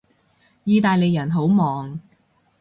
意大利人好忙